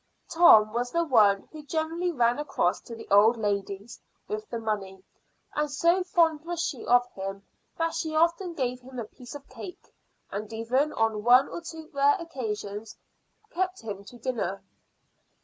Tom was the one who generally ran across to the old lady's with the money; and so fond was she of him that she often gave him a piece of cake, and even on one or two rare occasions kept him to dinner.